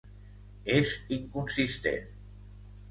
És inconsistent.